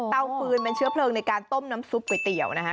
ฟืนเป็นเชื้อเพลิงในการต้มน้ำซุปก๋วยเตี๋ยวนะคะ